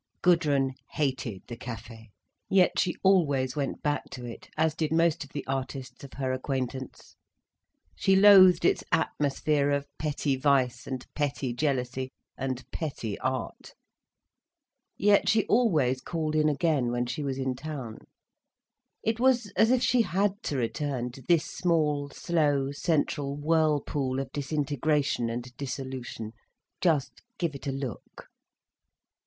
Gudrun hated the Café, yet she always went back to it, as did most of the artists of her acquaintance. She loathed its atmosphere of petty vice and petty jealousy and petty art. Yet she always called in again, when she was in town. It was as if she had to return to this small, slow, central whirlpool of disintegration and dissolution: just give it a look.